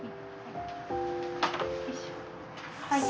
はい。